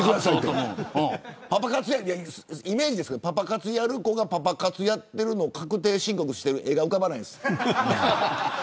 イメージですけどパパ活やる子がパパ活やってるのを確定申告してる絵が浮かばないです。